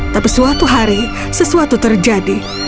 tapi suatu hari sesuatu terjadi